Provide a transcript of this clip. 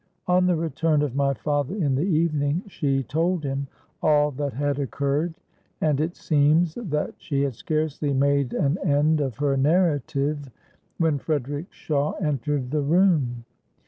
On the return of my father in the evening, she told him all that had occurred; and it seems that she had scarcely made an end of her narrative, when Frederick Shawe entered the room.